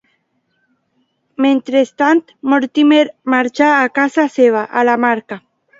Mentrestant, Mortimer marxà a casa seva, a la Marca.